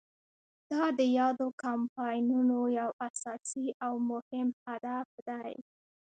دا د یادو کمپاینونو یو اساسي او مهم هدف دی.